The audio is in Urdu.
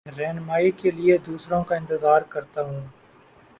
رہنمائ کے لیے دوسروں کا انتظار کرتا ہوں